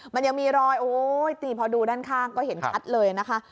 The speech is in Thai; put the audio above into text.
มันยังมีรอยโอ๊ยตีพอดูด้านข้างก็เห็นชัดเลยนะคะ